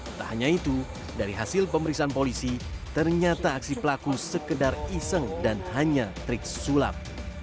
tak hanya itu dari hasil pemeriksaan polisi ternyata aksi pelaku sekedar iseng dan hanya trik sulap